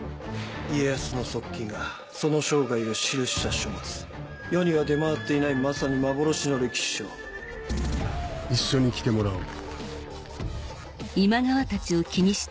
家康の側近がその生涯を記し世には出回っていないまさに幻の歴史書一緒に来てもらおう。